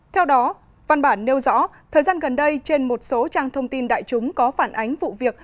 theo đó văn bản nêu rõ thời gian gần đây trên một số trang thông tin đại chúng có phản ánh vụ việc